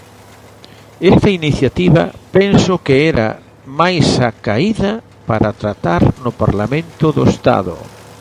Esta iniciativa penso que era máis acaída para tratar no Parlamento do Estado.